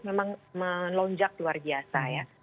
memang melonjak luar biasa ya